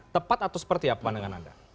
tepat atau seperti apa pandangan anda